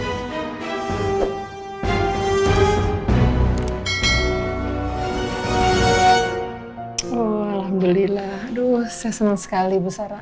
alhamdulillah aduh saya senang sekali bu sarah